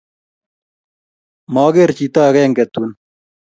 maaker chito akenge tuu